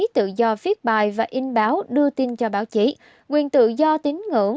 tự do viết bài và in báo đưa tin cho báo chí quyền tự do tín ngưỡng